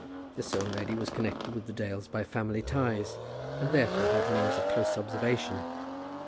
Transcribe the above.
This old lady was connected with the Dales by family ties, and therefore had means of close observation.